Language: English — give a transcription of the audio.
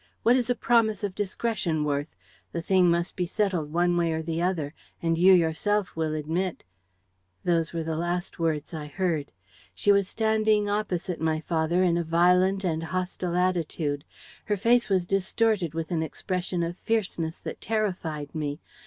What is a promise of discretion worth? The thing must be settled one way or the other; and you yourself will admit. ...' Those were the last words I heard. She was standing opposite my father in a violent and hostile attitude. Her face was distorted with an expression of fierceness that terrified me.